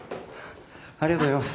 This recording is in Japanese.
ありがとうございます。